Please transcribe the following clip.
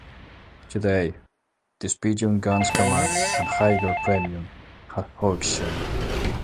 Today, these pigeon guns command a higher premium at auction.